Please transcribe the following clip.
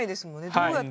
どうやって？